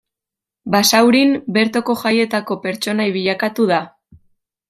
Basaurin bertoko jaietako pertsonai bilakatu da.